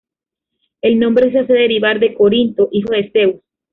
El nombre se hace derivar de Corinto, hijo de Zeus.